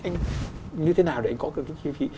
như thế nào để anh có được cái chi phí